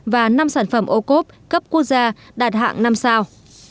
và năm sản phẩm ô cốp cấp quốc gia đạt hạng năm sao